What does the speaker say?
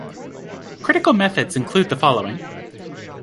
Critical methods include the following.